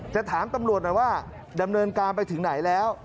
จะถามตำรวจหน่อยว่าดำเนินการไปถึงไหนแล้ว